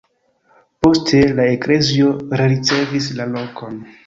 Poste la eklezio rericevis la lokon.